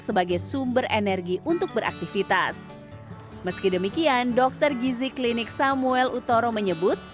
sebagai sumber energi untuk beraktivitas meski demikian dokter gizi klinik samuel utoro menyebut